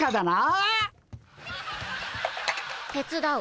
手伝う。